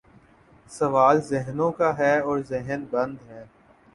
سوال ذہنوں کا ہے اور ذہن بند ہیں۔